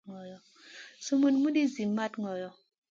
Sumun muɗi ci mat ŋolo.